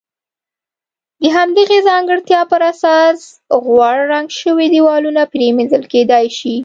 د همدغې ځانګړتیا پر اساس غوړ رنګ شوي دېوالونه پرېمنځل کېدای شي.